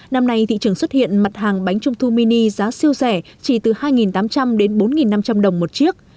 năm nay thị trường xuất hiện mặt hàng bánh trung thu mini giá siêu rẻ chỉ từ hai tám trăm linh đến bốn năm trăm linh đồng một chiếc